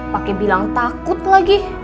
pakai bilang takut lagi